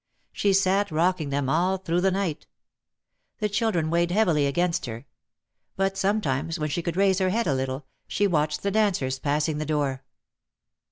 She sat rocking them all through the night. The children weighed heavily against her. But sometimes when she could raise her head a little, she watched the dancers passing the door.